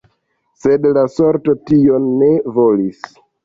Sed la sorto tion ne volis.